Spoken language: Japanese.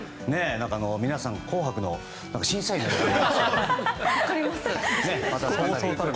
皆さん、「紅白」の審査員みたいに。